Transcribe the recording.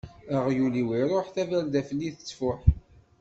Aɣyul-iw iṛuḥ, tabarda fell-i tettfuḥ.